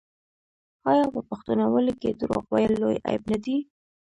آیا په پښتونولۍ کې دروغ ویل لوی عیب نه دی؟